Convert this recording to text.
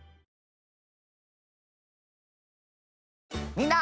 みんな！